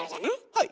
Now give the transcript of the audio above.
はい。